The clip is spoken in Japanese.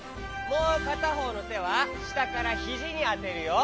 もうかたほうのてはしたからひじにあてるよ。